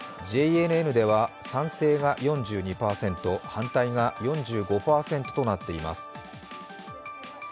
ＪＮＮでは賛成が４２％、反対が４５％となっています。